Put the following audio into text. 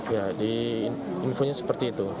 ya di infonya seperti itu